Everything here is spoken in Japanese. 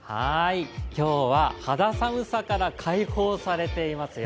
今日は肌寒さから解放されていますよ。